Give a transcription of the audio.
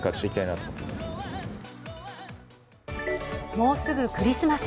もうすぐクリスマス。